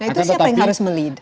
nah itu siapa yang harus melibatkan